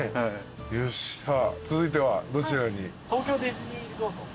よしさあ続いてはどちらに？